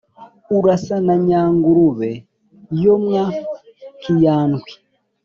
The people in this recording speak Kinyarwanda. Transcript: Urasa na yangurube yo mwa nkyandwi